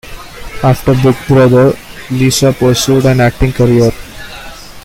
After "Big Brother", Lisa pursued an acting career.